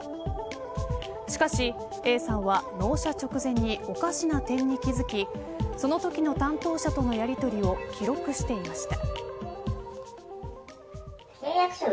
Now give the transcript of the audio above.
しかし、Ａさんは納車直前におかしな点に気付きそのときの担当者とのやりとりを記録していました。